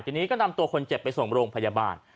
ทีนี้ก็นำตัวคนเจ็บไปส่งโรงพยาบาล